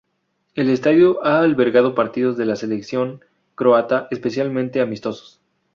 El estadio ha albergado partidos de la selección croata, especialmente amistosos.